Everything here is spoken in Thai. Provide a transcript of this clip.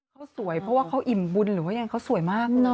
เขาสวยเพราะว่าเขาอิ่มบุญหรือว่ายังไงเขาสวยมาก